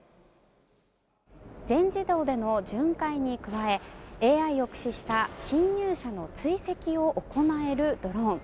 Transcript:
全自動での巡回に加えＡＩを駆使した侵入者の追跡を行えるドローン。